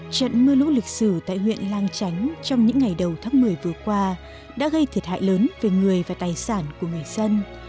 trận mưa lũ lịch sử tại huyện lang chánh trong những ngày đầu tháng một mươi vừa qua đã gây thiệt hại lớn về người và tài sản của người dân